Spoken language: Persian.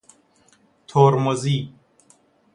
ترمزی